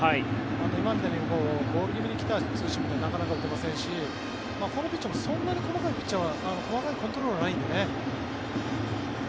今みたいにボール気味に来たツーシームってなかなか打てませんしこのピッチャーもそんなに細かいコントロールはないのでね。